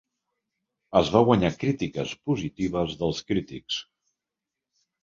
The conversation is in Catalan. Es va guanyar crítiques positives dels crítics.